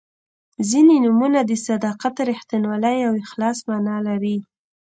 •ځینې نومونه د صداقت، رښتینولۍ او اخلاص معنا لري.